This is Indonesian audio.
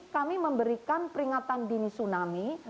kami memberikan peringatan dini tsunami